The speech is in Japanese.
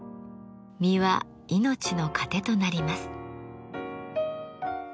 実は命の糧となります。